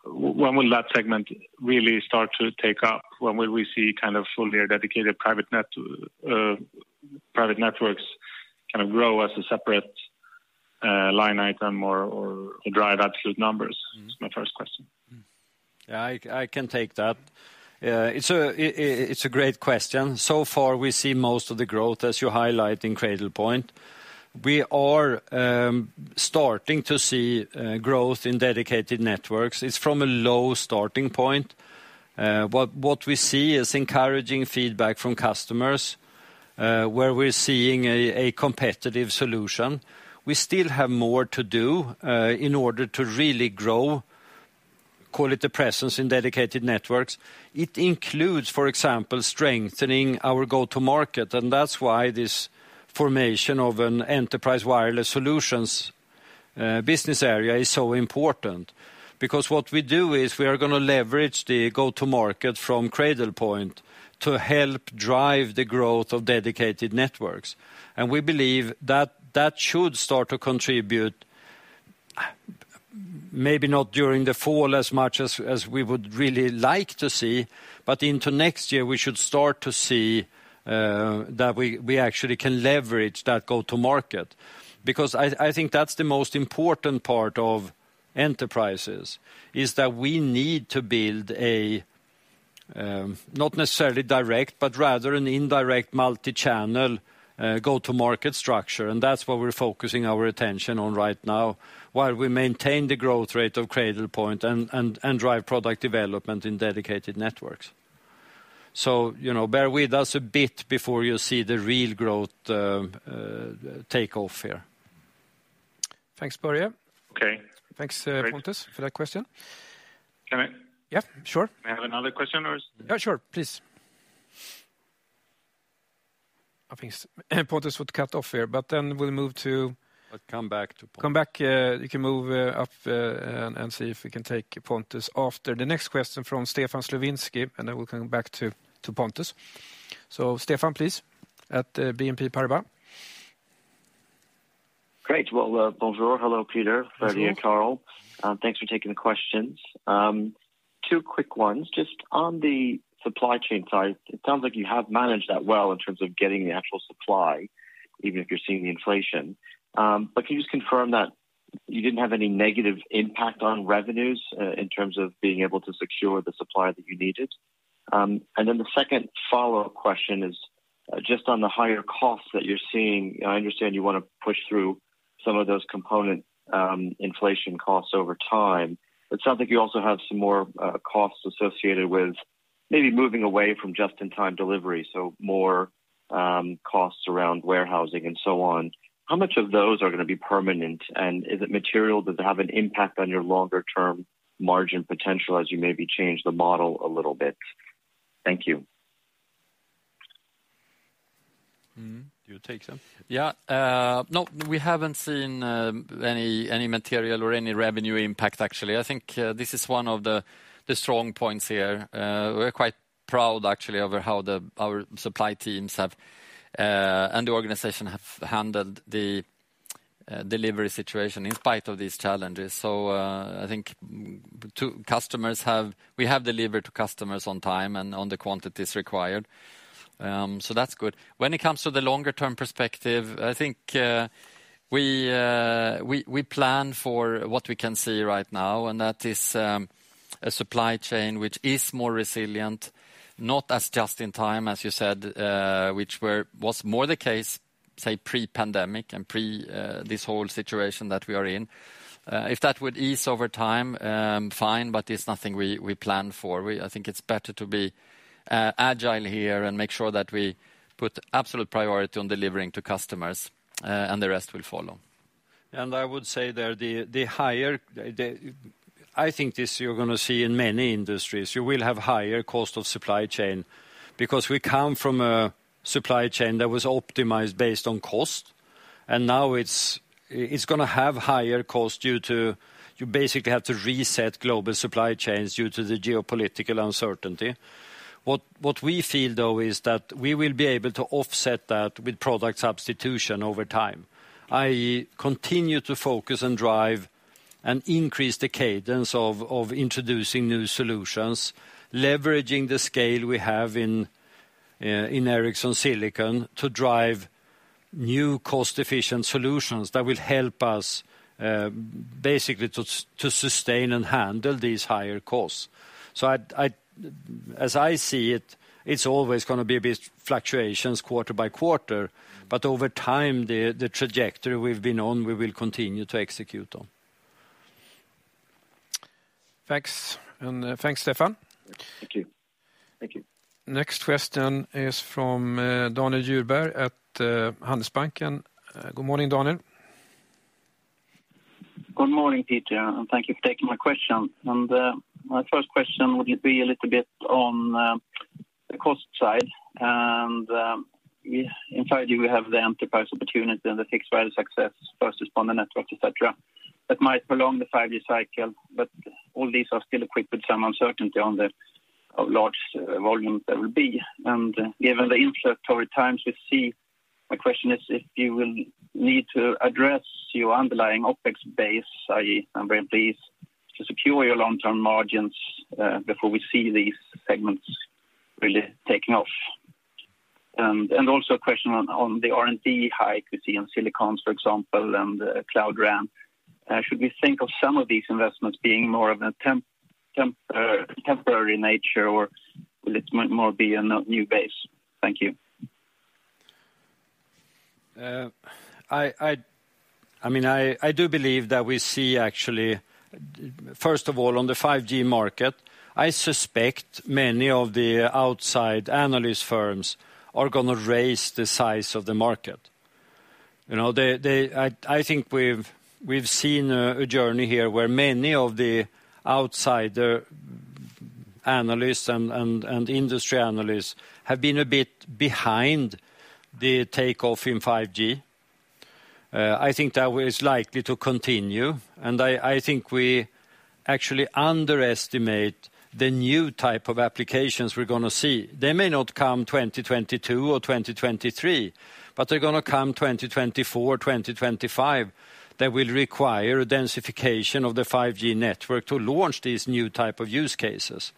When will that segment really start to take off? When will we see kind of fully dedicated private net, private networks kind of grow as a separate, line item or drive absolute numbers? Is my first question. Yeah, I can take that. It's a great question. So far we see most of the growth, as you highlight, in Cradlepoint. We are starting to see growth in dedicated networks. It's from a low starting point. What we see is encouraging feedback from customers, where we're seeing a competitive solution. We still have more to do in order to really grow, call it the presence in dedicated networks. It includes, for example, strengthening our go-to market, and that's why this formation of an Enterprise Wireless Solutions business area is so important. Because what we do is we are gonna leverage the go-to market from Cradlepoint to help drive the growth of dedicated networks. We believe that should start to contribute, maybe not during the fall as much as we would really like to see, but into next year, we should start to see that we actually can leverage that go-to market. Because I think that's the most important part of enterprises, is that we need to build a not necessarily direct, but rather an indirect multi-channel go-to market structure. That's what we're focusing our attention on right now, while we maintain the growth rate of Cradlepoint and drive product development in dedicated networks. You know, bear with us a bit before you see the real growth take off here. Thanks, Börje. Okay. Thanks Pontus for that question. Can I- Yeah, sure. May I have another question? Yeah, sure, please. I think Pontus got cut off here, but then we'll move to. Come back to Pontus. Come back, you can move up and see if we can take Pontus after the next question from Stefan Slowinski, and then we'll come back to Pontus. Stefan please, at BNP Paribas. Great. Well, bonjour. Hello, Peter, Börje, and Carl. Thanks for taking the questions. Two quick ones. Just on the supply chain side, it sounds like you have managed that well in terms of getting the actual supply, even if you're seeing the inflation. Can you just confirm that you didn't have any negative impact on revenues, in terms of being able to secure the supply that you needed? Then the second follow-up question is, just on the higher costs that you're seeing, I understand you wanna push through some of those component inflation costs over time. It sounds like you also have some more costs associated with maybe moving away from just-in-time delivery, so more costs around warehousing and so on. How much of those are gonna be permanent? Is it material? Does it have an impact on your longer term margin potential as you maybe change the model a little bit? Thank you. Mm-hmm. Do you take that? Yeah. No, we haven't seen any material or any revenue impact actually. I think this is one of the strong points here. We're quite proud actually over how our supply teams and the organization have handled the delivery situation in spite of these challenges. We have delivered to customers on time and on the quantities required. That's good. When it comes to the longer term perspective, I think we plan for what we can see right now, and that is a supply chain which is more resilient, not as just in time, as you said, which was more the case, say pre-pandemic and pre this whole situation that we are in. If that would ease over time, fine, but it's nothing we plan for. I think it's better to be agile here and make sure that we put absolute priority on delivering to customers, and the rest will follow. I would say that the higher. I think this you're gonna see in many industries, you will have higher cost of supply chain because we come from a supply chain that was optimized based on cost, and now it's gonna have higher cost due to, you basically have to reset global supply chains due to the geopolitical uncertainty. What we feel, though, is that we will be able to offset that with product substitution over time. I continue to focus and drive and increase the cadence of introducing new solutions, leveraging the scale we have in Ericsson Silicon to drive new cost-efficient solutions that will help us basically to sustain and handle these higher costs. I as I see it's always gonna be a bit fluctuations quarter by quarter, but over time, the trajectory we've been on, we will continue to execute on. Thanks. Thanks Stefan. Thank you. Thank you. Next question is from Daniel Djurberg at Handelsbanken. Good morning Daniel?. Good morning, Peter, and thank you for taking my question. My first question would be a little bit on the cost side. In 5G we have the enterprise opportunity and the fixed wireless access versus on the network, et cetera, that might prolong the five-year cycle, but all these are still accompanied by some uncertainty on the large volume that will be. Given the inflationary times we see, my question is if you will need to address your underlying OpEx base, i.e., number of employees, to secure your long-term margins before we see these segments really taking off. Also a question on the R&D hike we see on silicon, for example, and Cloud RAN. Should we think of some of these investments being more of a temporary nature or will it more be a new base? Thank you. I mean, I do believe that we see actually, first of all, on the 5G market, I suspect many of the outside analyst firms are gonna raise the size of the market. You know, I think we've seen a journey here where many of the outsider analysts and industry analysts have been a bit behind the takeoff in 5G. I think that is likely to continue. I think we actually underestimate the new type of applications we're gonna see. They may not come 2022 or 2023, but they're gonna come 2024, 2025. They will require a densification of the 5G network to launch these new type of use cases.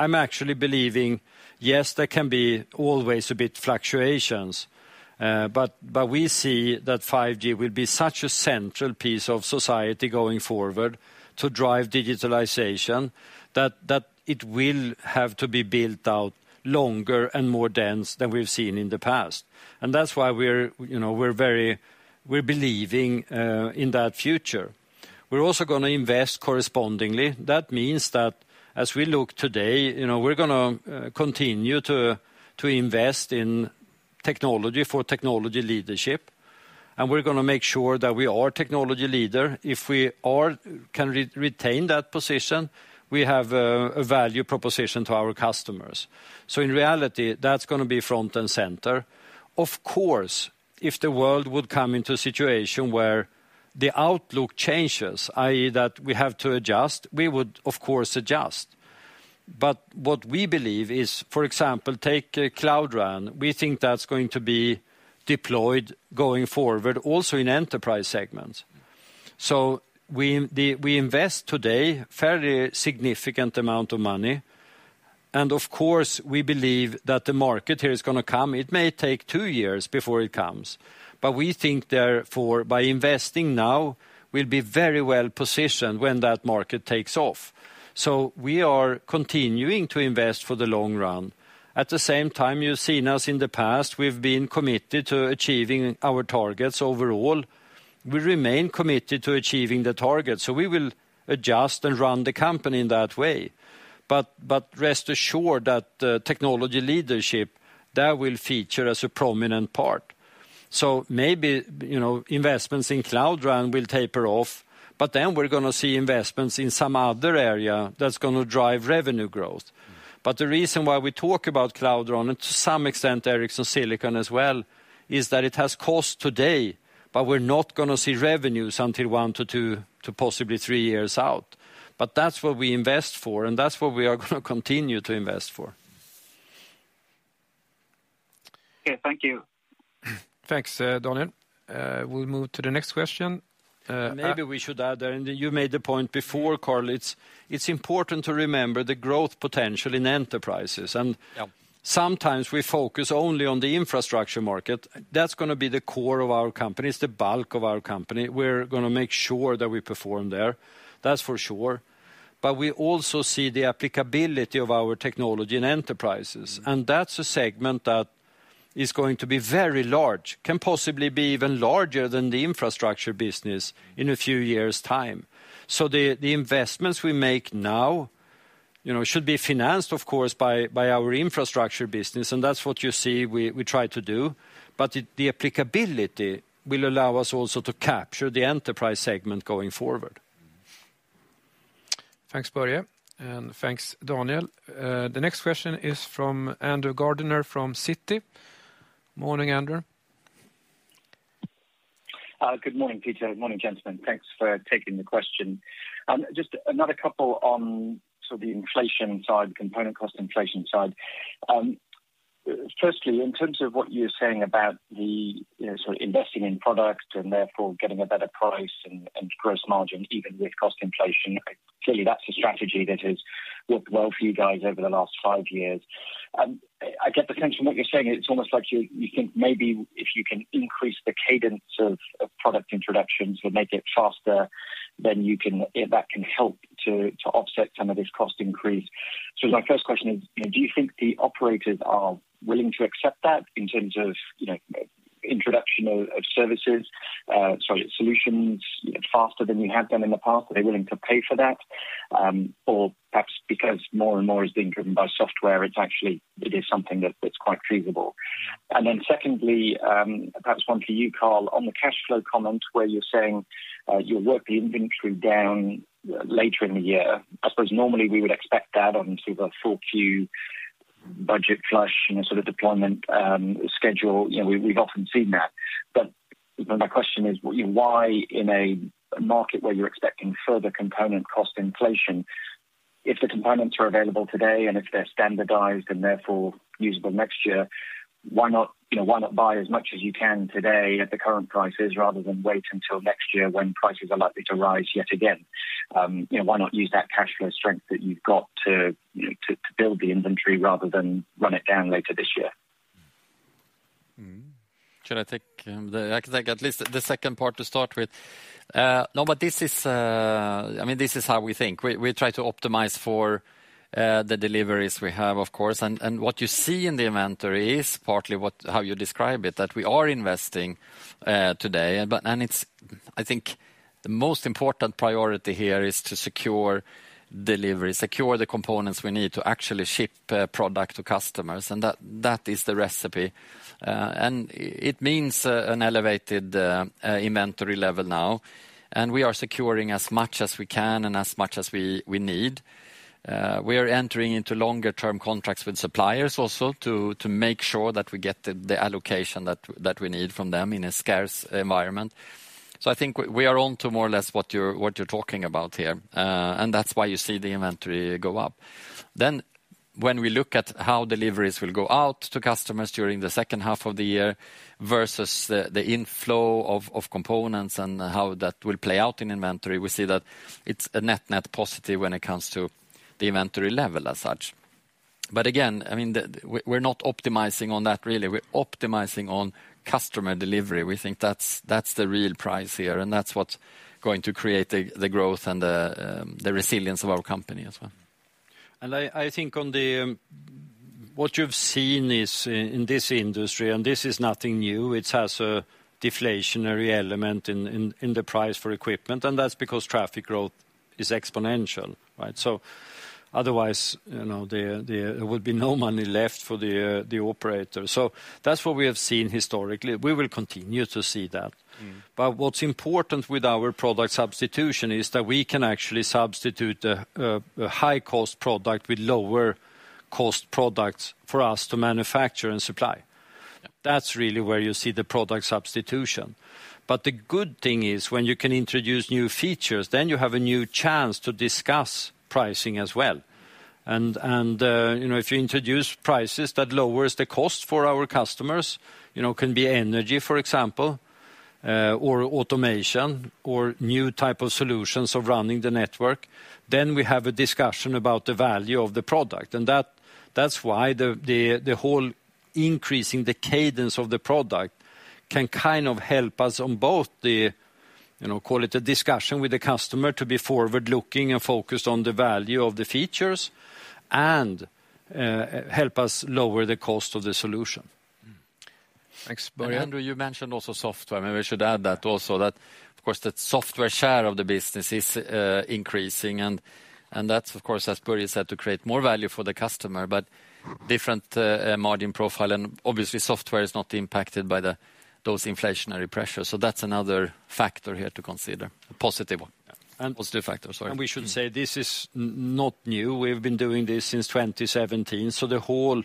I'm actually believing, yes, there can be always a bit fluctuations. We see that 5G will be such a central piece of society going forward to drive digitalization that it will have to be built out longer and more dense than we've seen in the past. That's why we're, you know, believing in that future. We're also gonna invest correspondingly. That means that as we look today, you know, we're gonna continue to invest in technology for technology leadership, and we're gonna make sure that we are technology leader. If we can retain that position, we have a value proposition to our customers. In reality, that's gonna be front and center. Of course, if the world would come into a situation where the outlook changes, i.e., that we have to adjust, we would of course adjust. What we believe is, for example, take Cloud RAN. We think that's going to be deployed going forward also in enterprise segments. We invest today fairly significant amount of money. Of course, we believe that the market here is gonna come. It may take two years before it comes. We think therefore by investing now, we'll be very well positioned when that market takes off. We are continuing to invest for the long run. At the same time, you've seen us in the past, we've been committed to achieving our targets overall. We remain committed to achieving the target. We will adjust and run the company in that way. Rest assured that technology leadership will feature as a prominent part. Maybe, you know, investments in Cloud RAN will taper off, but then we're gonna see investments in some other area that's gonna drive revenue growth. The reason why we talk about Cloud RAN, and to some extent Ericsson Silicon as well, is that it has cost today, but we're not gonna see revenues until one to two to possibly three years out. That's what we invest for, and that's what we are gonna continue to invest for. Okay. Thank you. Thanks Daniel. We'll move to the next question. Maybe we should add there, and you made the point before, Carl, it's important to remember the growth potential in enterprises. Yeah. Sometimes we focus only on the infrastructure market. That's gonna be the core of our company. It's the bulk of our company. We're gonna make sure that we perform there. That's for sure. We also see the applicability of our technology in enterprises, and that's a segment that is going to be very large, can possibly be even larger than the infrastructure business in a few years' time. The investments we make now, you know, should be financed, of course, by our infrastructure business, and that's what you see we try to do. The applicability will allow us also to capture the enterprise segment going forward. Thanks Börje. Thanks Daniel. The next question is from Andrew Gardiner from Citi. Morning, Andrew. Good morning, Peter. Morning, gentlemen. Thanks for taking the question. Just another couple on sort of the inflation side, component cost inflation side. Firstly, in terms of what you're saying about the, you know, sort of investing in products and therefore getting a better price and gross margin, even with cost inflation. Clearly, that's a strategy that has worked well for you guys over the last five years. I get the sense from what you're saying, it's almost like you think maybe if you can increase the cadence of product introductions or make it faster, then you can. If that can help to offset some of this cost increase. My first question is, you know, do you think the operators are willing to accept that in terms of, you know, introduction of solutions faster than you have done in the past? Are they willing to pay for that? Or perhaps because more and more is being driven by software, it's actually, it is something that's quite feasible. Secondly, perhaps one for you, Carl, on the cash flow comment where you're saying you'll work the inventory down later in the year. I suppose normally we would expect that on sort of a full Q budget flush, you know, sort of deployment schedule. You know, we've often seen that. My question is, you know, why in a market where you're expecting further component cost inflation, if the components are available today, and if they're standardized and therefore usable next year, why not, you know, why not buy as much as you can today at the current prices rather than wait until next year when prices are likely to rise yet again? You know, why not use that cash flow strength that you've got to, you know, build the inventory rather than run it down later this year? Mm-hmm. I can take at least the second part to start with. No, but this is, I mean, this is how we think. We try to optimize for the deliveries we have, of course. What you see in the inventory is partly what, how you describe it, that we are investing today. It's, I think the most important priority here is to secure delivery, secure the components we need to actually ship product to customers, and that is the recipe. It means an elevated inventory level now. We are securing as much as we can and as much as we need. We are entering into longer term contracts with suppliers also to make sure that we get the allocation that we need from them in a scarce environment. I think we are on to more or less what you're talking about here, and that's why you see the inventory go up. When we look at how deliveries will go out to customers during the second half of the year versus the inflow of components and how that will play out in inventory, we see that it's a net positive when it comes to the inventory level as such. Again, I mean, we're not optimizing on that really. We're optimizing on customer delivery. We think that's the real prize here, and that's what's going to create the growth and the resilience of our company as well. I think what you've seen is in this industry, and this is nothing new, it has a deflationary element in the price for equipment, and that's because traffic growth is exponential, right? Otherwise, you know, there would be no money left for the operator. That's what we have seen historically. We will continue to see that. Mm-hmm. What's important with our product substitution is that we can actually substitute the high cost product with lower cost products for us to manufacture and supply. That's really where you see the product substitution. The good thing is when you can introduce new features, then you have a new chance to discuss pricing as well. You know, if you introduce prices that lowers the cost for our customers, you know, can be energy, for example, or automation or new type of solutions of running the network, then we have a discussion about the value of the product. That's why the whole increasing the cadence of the product can kind of help us on both the, you know, call it a discussion with the customer to be forward-looking and focused on the value of the features and help us lower the cost of the solution. Thanks, Börje. Andrew, you mentioned also software. Maybe we should add that also, of course, the software share of the business is increasing and that's of course, as Börje said, to create more value for the customer, but different margin profile and obviously software is not impacted by those inflationary pressures. That's another factor here to consider. A positive one. Yeah. Positive factor, sorry. We should say this is not new. We've been doing this since 2017. The whole,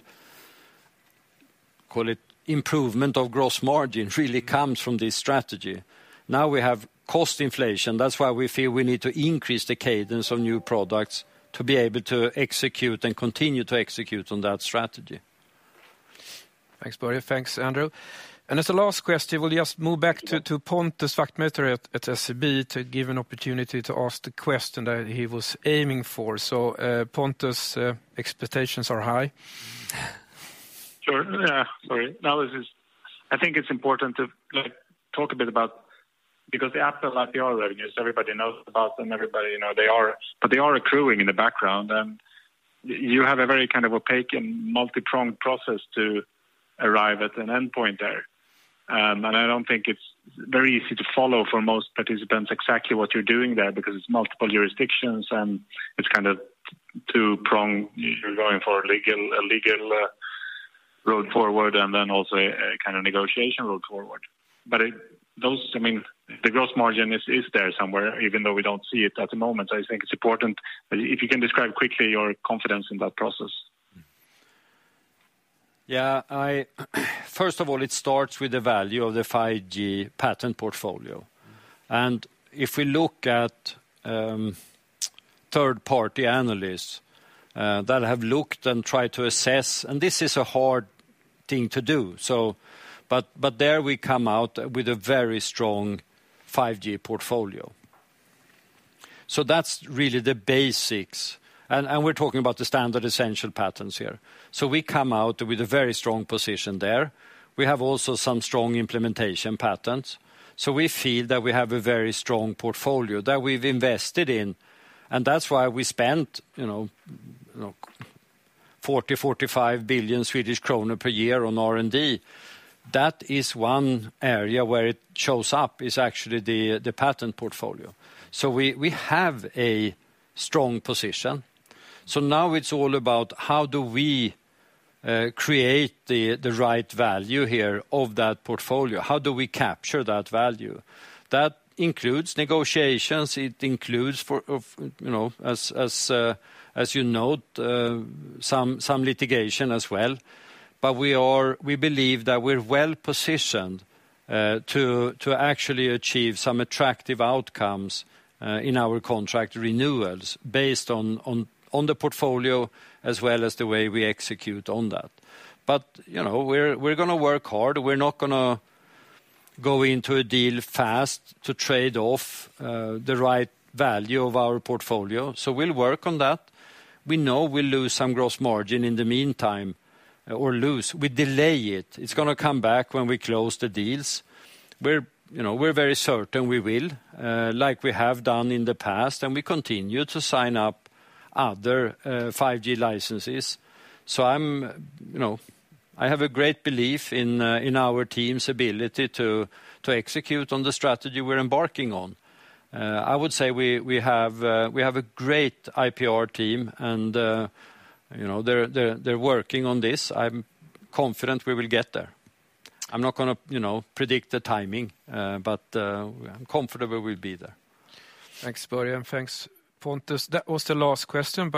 call it improvement of gross margin really comes from this strategy. Now we have cost inflation. That's why we feel we need to increase the cadence of new products to be able to execute and continue to execute on that strategy. Thanks Börje. Thanks Andrew. As a last question, we'll just move back to Pontus Wachtmeister at SEB to give an opportunity to ask the question that he was aiming for. Pontus, expectations are high. Now this is. I think it's important to, like, talk a bit about because the Apple IPR revenues. Everybody knows about them. Everybody, you know, they are. But they are accruing in the background and you have a very kind of opaque and multi-pronged process to arrive at an endpoint there. And I don't think it's very easy to follow for most participants exactly what you're doing there because it's multiple jurisdictions and it's kind of two-pronged. You're going for a legal road forward and then also a kind of negotiation road forward. But it. Those, I mean, the gross margin is there somewhere, even though we don't see it at the moment. I think it's important if you can describe quickly your confidence in that process. Yeah. First of all, it starts with the value of the 5G patent portfolio. If we look at third-party analysts that have looked and tried to assess, and this is a hard thing to do, but there we come out with a very strong 5G portfolio. That's really the basics, and we're talking about the standard-essential patents here. We come out with a very strong position there. We have also some strong implementation patents. We feel that we have a very strong portfolio that we've invested in, and that's why we spent, you know, 40-45 billion Swedish kronor per year on R&D. That is one area where it shows up, is actually the patent portfolio. We have a strong position. Now it's all about how do we create the right value here of that portfolio? How do we capture that value? That includes negotiations. It includes form of, you know, as you note, some litigation as well. We believe that we're well positioned to actually achieve some attractive outcomes in our contract renewals based on the portfolio as well as the way we execute on that. You know, we're gonna work hard. We're not gonna go into a deal fast to trade off the right value of our portfolio, so we'll work on that. We know we'll lose some gross margin in the meantime. Or we delay it. It's gonna come back when we close the deals. We're, you know, we're very certain we will, like we have done in the past, and we continue to sign up other, 5G licenses. I'm, you know, I have a great belief in in our team's ability to execute on the strategy we're embarking on. I would say we have a great IPR team and, you know, they're working on this. I'm confident we will get there. I'm not gonna, you know, predict the timing, but, I'm confident we will be there. Thanks Börje, and thanks Pontus. That was the last question.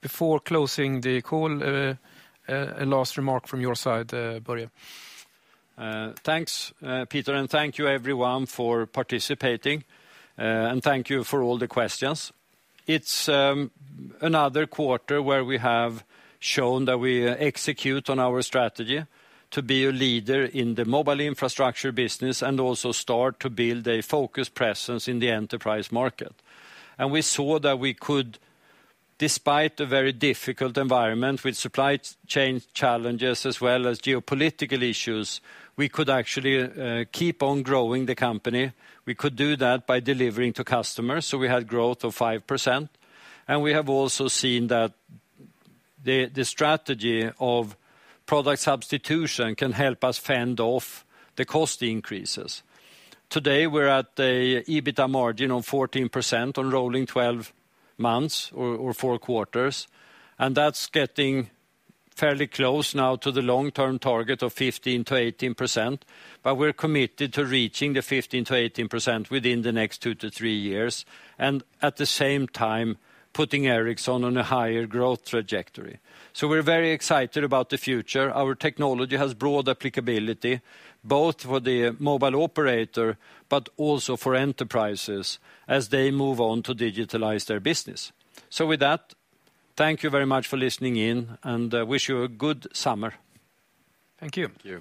Before closing the call, a last remark from your side, Börje. Thanks, Peter, and thank you everyone for participating, and thank you for all the questions. It's another quarter where we have shown that we execute on our strategy to be a leader in the mobile infrastructure business and also start to build a focused presence in the enterprise market. We saw that we could, despite a very difficult environment with supply chain challenges as well as geopolitical issues, we could actually keep on growing the company. We could do that by delivering to customers, so we had growth of 5%, and we have also seen that the strategy of product substitution can help us fend off the cost increases. Today, we're at an EBITDA margin of 14% on rolling 12 months or four quarters, and that's getting fairly close now to the long-term target of 15%-18%. We're committed to reaching the 15%-18% within the next two to three years, and at the same time, putting Ericsson on a higher growth trajectory. We're very excited about the future. Our technology has broad applicability both for the mobile operator, but also for enterprises as they move on to digitalize their business. With that, thank you very much for listening in, and I wish you a good summer. Thank you. Thank you.